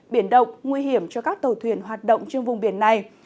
biển động nguy hiểm cho các tàu thuyền hoạt động trên vùng biển này